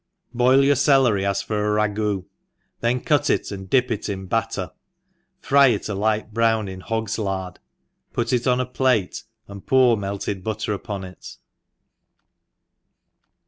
BOIL your celery as for a ragoo, then cut it and dip it in batter, fry it alight brown in hog s ]ard ; put it on a plate, and pour melted buttef upon it.